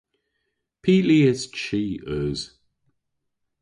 Py lies chi eus?